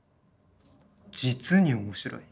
実に面白い。